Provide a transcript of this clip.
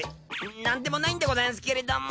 何でもないんでございますけれども。